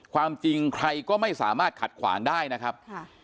ความจริงใครก็ไม่สามารถขัดขวางได้นะครับ